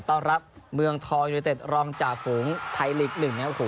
ต้อนรับเมืองทองศึกไทยฤทธิ์รองจ่าฝูงไทยฤทธิ์๑